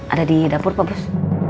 ada di dapur pak bus